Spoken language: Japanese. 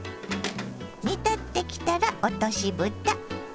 煮立ってきたら落としぶた。